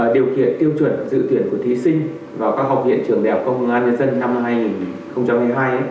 điều khiển tiêu chuẩn dự tuyển của thí sinh vào các học viện trường đại học công an nhân dân năm hai nghìn hai mươi hai